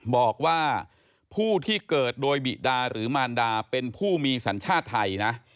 บอกว่าผู้ที่เกิดโดยบิดาหรือมารดาเป็นผู้มีสัญชาติไทยนะ